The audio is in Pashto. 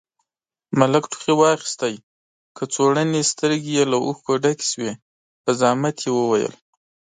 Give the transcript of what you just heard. ملک ټوخي واخيست، کڅوړنې سترګې يې له اوښکو ډکې شوې، په زحمت يې وويل: